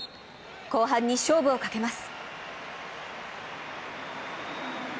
後半に勝負をかけます。